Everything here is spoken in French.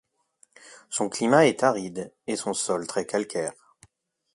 Son climat est aride et son sol très calcaire.